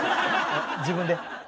自分で？